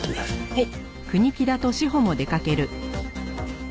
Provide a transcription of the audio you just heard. はい。